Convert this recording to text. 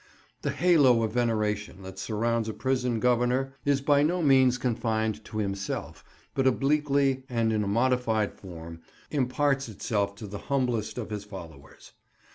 The halo of veneration that surrounds a prison governor is by no means confined to himself, but obliquely and in a modified form imparts itself to the humblest of his followers.